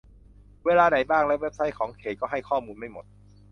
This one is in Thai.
เวลาไหนบ้าง และเว็บไซต์ของเขต ก็ให้ข้อมูลไม่หมด